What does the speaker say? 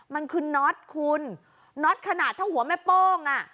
มันคือน็อตคุณน็อตขนาดเท่าหัวแม่โป้งอ่ะ